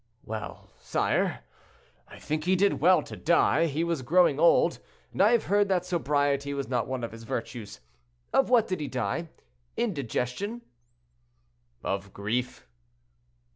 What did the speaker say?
"Well, sire, I think he did well to die; he was growing old, and I have heard that sobriety was not one of his virtues. Of what did he die—indigestion?" "Of grief."